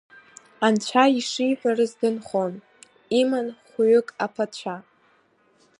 Анцәа ишиҳәарыз дынхон, иман хәҩык аԥацәа…